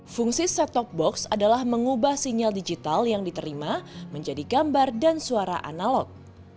fungsi set top box adalah mengubah sinyal digital yang diterima menjadi gambar dan suara analog